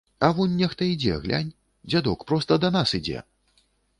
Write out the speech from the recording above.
А вунь нехта ідзе, глянь, дзядок, проста да нас ідзе!